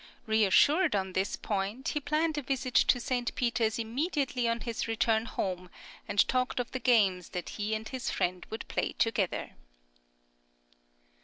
Reassured on this point, he planned a visit to St. Peter's immediately on his return home, and talked of the games that he and his friend would play together.